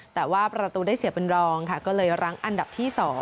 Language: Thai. แต่ว่าประตูได้เสียเป็นรองค่ะก็เลยรั้งอันดับที่๒